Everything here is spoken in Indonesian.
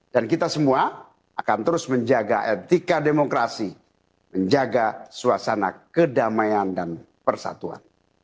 dan kita semua akan terus menjaga etika demokrasi menjaga suasana kedamaian dan persatuan